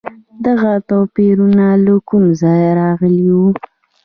دغه توپیرونه له کوم ځایه راغلي وو؟